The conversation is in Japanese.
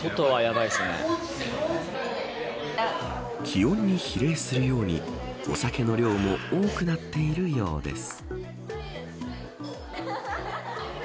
気温に比例するようにお酒の量も多くなっているようです。